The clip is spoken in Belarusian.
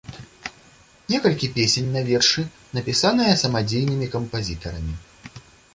Некалькі песень на вершы напісаныя самадзейнымі кампазітарамі.